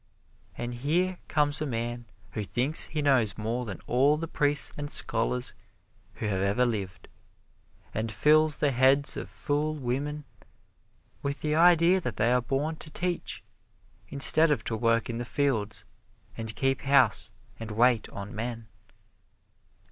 And here comes a man who thinks he knows more than all the priests and scholars who have ever lived, and fills the heads of fool women with the idea that they are born to teach instead of to work in the fields and keep house and wait on men.